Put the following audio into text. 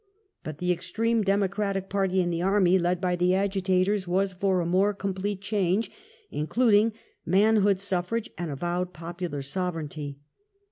But the extreme democratic party ORIGIN OF THE SECOND CIVIL WAR. <,^ in the army, led by the "Agitators", was for a more complete change, including manhood suffrage and avowed popular sovereignty.